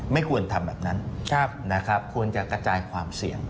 ไม่ควรทำแบบนั้นนะครับควรจะกระจายความเสี่ยง